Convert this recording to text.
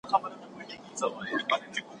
خو قانون د سلطنت دی نه بدلیږي